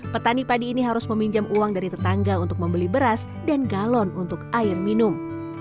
petani padi ini harus meminjam uang dari tetangga untuk membeli beras dan galon untuk air minum